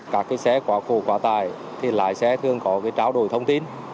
các cái xe quá khổ quá tải thì lái xe thường có cái tráo đổi thông tin